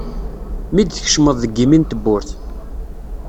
Mi d-tkecmeḍ deg yimi n tewwurt.